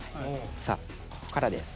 さあここからです。